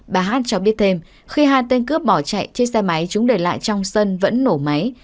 bà hát cho biết thêm khi hai tên cướp bỏ chạy chiếc xe máy chúng để lại trong sân vẫn nổ máy